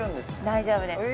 大丈夫です